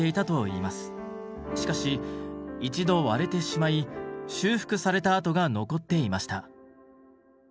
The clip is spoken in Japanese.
しかし一度割れてしまい修復された跡が残っていました。